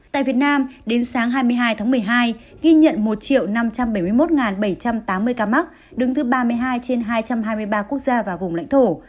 tại việt nam đến sáng hai mươi hai tháng một mươi hai ghi nhận một năm trăm bảy mươi một bảy trăm tám mươi ca mắc đứng thứ ba mươi hai trên hai trăm hai mươi ba quốc gia và vùng lãnh thổ